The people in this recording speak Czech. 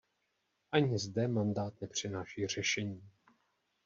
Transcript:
Ani zde mandát nepřináší řešení.